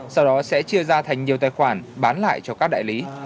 sau đó sẽ chia ra thành nhiều tài khoản bán lại cho các đại lý